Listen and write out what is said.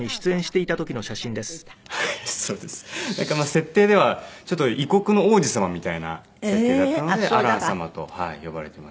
設定では異国の王子様みたいな設定だったのでアラン様と呼ばれていましたね。